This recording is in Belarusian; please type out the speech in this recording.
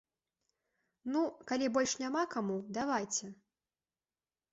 Ну, калі больш няма каму, давайце!